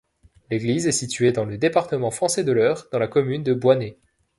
L'église est située dans le département français de l'Eure dans la commune de Boisney.